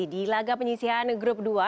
di laga penyisihan grup dua